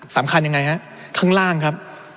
สำคัญยังไงฮะข้างล่างครับ